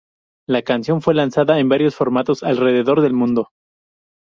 La canción fue lanzada en varios formatos alrededor del mundo.